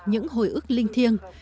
những hồi ức linh thiêng